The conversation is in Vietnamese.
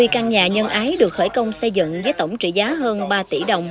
hai mươi căn nhà nhân ái được khởi công xây dựng với tổng trị giá hơn ba tỷ đồng